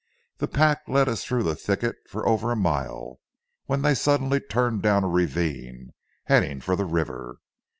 The pack led us through thickets for over a mile, when they suddenly turned down a ravine, heading for the river.